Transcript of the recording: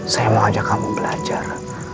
saya mau ajak kamu belajar